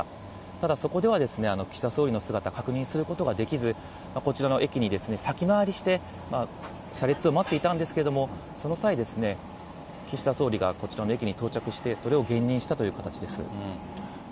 ただ、そこでは岸田総理の姿、確認することができず、こちらの駅に先回りして車列を待っていたんですけれども、その際、岸田総理がこちらの駅に到着して、それを現認したという形です。